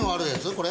これ？